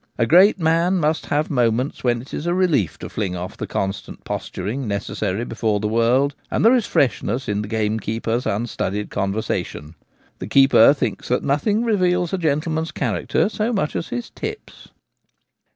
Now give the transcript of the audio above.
A great man must have moments when it is a relief to fling off the con stant posturing necessary before the world ; and there is freshness in the gamekeeper's unstudied conversa tion. The keeper thinks that nothing reveals a gentle man's character so much as his * tips.'